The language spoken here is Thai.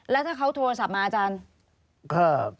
แล้วถ้าเขาโทรศัพท์มาอาจารย์